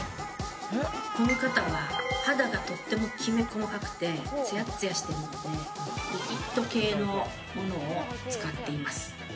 この方は肌がとてもきめ細かくてつやっつやしてるのでリキッド系のものを使っています。